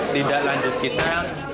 tidak lanjut kita